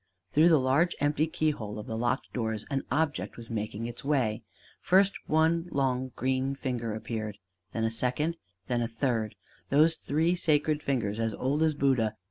Through the large empty keyhole of the locked doors an object was making its way: first one long green finger appeared, and then a second, and then a third those three sacred fingers as old as Buddha!